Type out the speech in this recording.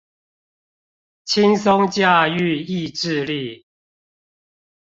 輕鬆駕馭意志力